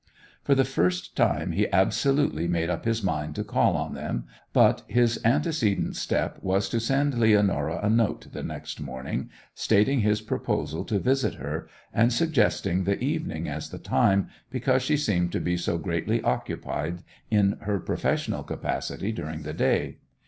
For the first time he absolutely made up his mind to call on them. But his antecedent step was to send Leonora a note the next morning, stating his proposal to visit her, and suggesting the evening as the time, because she seemed to be so greatly occupied in her professional capacity during the day.